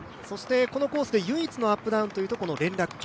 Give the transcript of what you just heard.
このコースで唯一のアップダウンというとこの連絡橋。